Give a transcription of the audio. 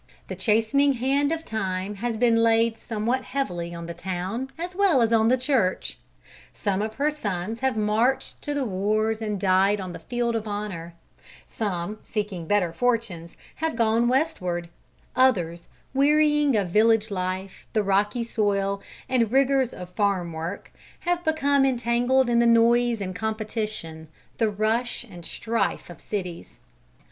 The chastening hand of time has been laid somewhat heavily on the town as well as on the church. Some of her sons have marched to the wars and died on the field of honour; some, seeking better fortunes, have gone westward; others, wearying of village life, the rocky soil, and rigours of farm work, have become entangled in the noise and competition, the rush and strife, of cities.